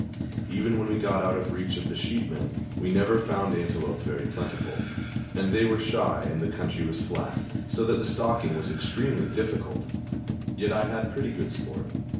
Even when we got out of reach of the sheep men we never found antelope very plentiful, and they were shy, and the country was flat, so that the stalking was extremely difficult; yet I had pretty good sport.